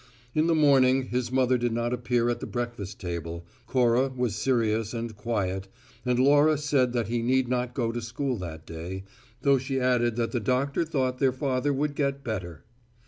In the morning, his mother did not appear at the breakfast table, Cora was serious and quiet, and Laura said that he need not go to school that day, though she added that the doctor thought their father would get "better."